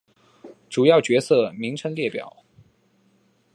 主要角色名称列表。